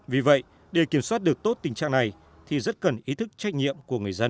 vì vậy để kiểm soát được tốt tình trạng này thì rất cần ý thức trách nhiệm của người dân